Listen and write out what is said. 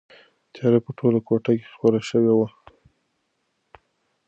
تیاره په ټوله کوټه کې خپره شوې وه.